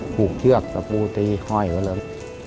หูเชือกสปูติห้อยก็เริ่ม